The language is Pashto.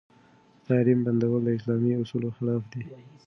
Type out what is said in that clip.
د تعليم بندول د اسلامي اصولو خلاف دي.